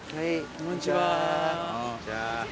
こんにちは。